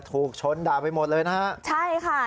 ถูกชนด่าไปหมดเลยนะฮะใช่ค่ะ